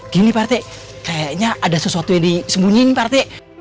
gini pak rt kayaknya ada sesuatu yang disembunyiin pak rt